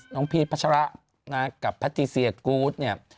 น้องพีชพัชระกับพระธิเซียกูธ